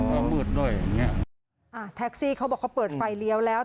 ก็มืดด้วยอย่างเงี้ยอ่าแท็กซี่เขาบอกเขาเปิดไฟเลี้ยวแล้ว